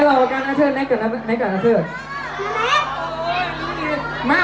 แล้วเรียกตัวเลขหลานผมขึ้นมาหน่อยได้มั้ย